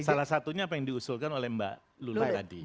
salah satunya apa yang diusulkan oleh mbak lulul adi